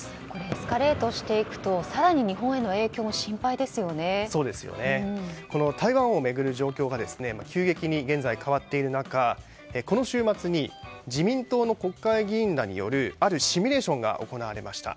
エスカレートしていくと更に日本への影響も台湾を巡る状況が急激に現在変わっている中この週末に自民党の国会議員らによるあるシミュレーションが行われました。